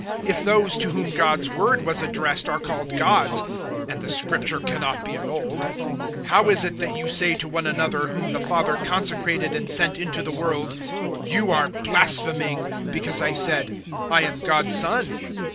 010:035 If those to whom God's word was addressed are called gods (and the Scripture cannot be annulled), 010:036 how is it that you say to one whom the Father consecrated and sent into the world, `You are blaspheming,' because I said, `I am God's Son'?